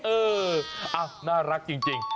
เออน่ารักจริง